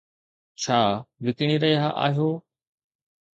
ڇا وڪڻي رهيا آهيو؟